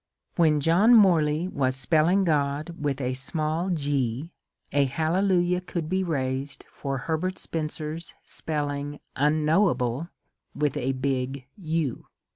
When John Morley was spelling God with a small *^g" a hallelujah could be raised for Herbert Spencer's spelling unknowable with a big ^^ U."